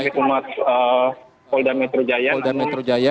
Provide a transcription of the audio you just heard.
ya itu tadi adalah kami kumat holda metro jaya